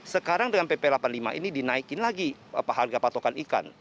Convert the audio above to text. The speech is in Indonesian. sekarang dengan pp delapan puluh lima ini dinaikin lagi harga patokan ikan